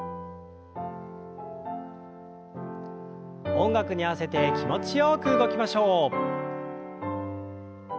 音楽に合わせて気持ちよく動きましょう。